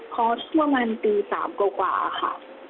พอชั่วงานตี๓กว่าค่ะ